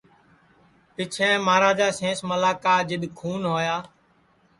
پیچھیں مہاراجا سینس ملا کا جِدؔ کھون ہوا